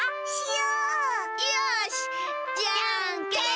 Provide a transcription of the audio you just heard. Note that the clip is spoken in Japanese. よしじゃんけん。